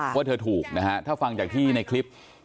ว่าเธอถูกนะฮะถ้าฟังจากที่ในคลิป